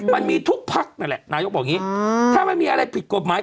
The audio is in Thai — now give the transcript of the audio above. มันมีทุกภักดิ์นะแหละนายก่อ่าถ้าไม่มีอะไรผิดกฎหมาย